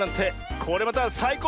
これまたさいこう